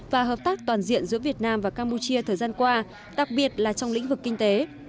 và hợp tác toàn diện giữa việt nam và campuchia thời gian qua đặc biệt là trong lĩnh vực kinh tế